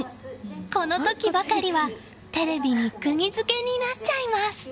この時ばかりはテレビに釘付けになっちゃいます。